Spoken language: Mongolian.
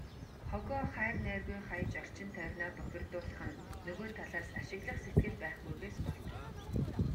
Хогоо хайр найргүй хаяж, орчин тойрноо бохирдуулах нь нөгөө талаас ашиглах сэтгэл байхгүйгээс болдог.